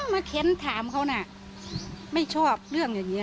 เค้นถามเขานะไม่ชอบเรื่องอย่างนี้